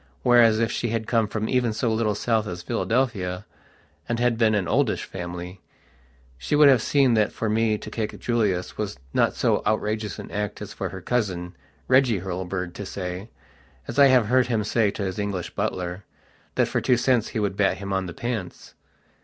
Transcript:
Whereas, if she had come from even so little south as Philadelphia, and had been an oldish family, she would have seen that for me to kick Julius was not so outrageous an act as for her cousin, Reggie Hurlbird, to sayas I have heard him say to his English butlerthat for two cents he would bat him on the pants.